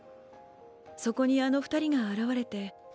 そこにあの二人が現れて。